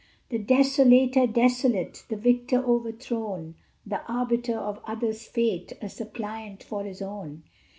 The Desolator desolate! The victor overthrown! The Arbiter of others' fate A Suppliant for his own!